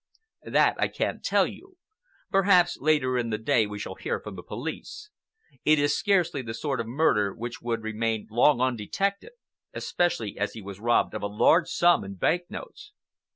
"That I can't tell you. Perhaps later in the day we shall hear from the police. It is scarcely the sort of murder which would remain long undetected, especially as he was robbed of a large sum in bank notes."